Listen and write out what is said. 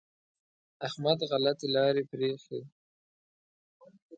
احمد غلطې لارې پرېښې.